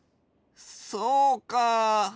そうか。